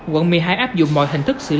quận một mươi hai áp dụng mọi hình thức xử phạt